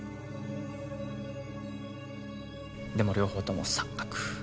でも両方とも錯覚。